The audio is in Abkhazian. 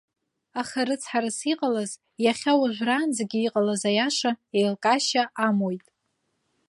Аха, рыцҳарас иҟалаз, иахьа уажәраанӡагьы иҟалаз аиаша еилкаашьа амоуит.